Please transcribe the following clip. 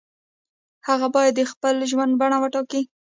هغه باید د خپل ژوند بڼه وټاکي.